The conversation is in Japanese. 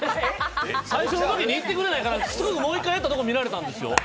最初のときにやってくれないからしつこくもう１回やったところを見られたんですよ。